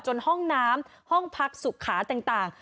ห้องน้ำห้องพักสุขาต่าง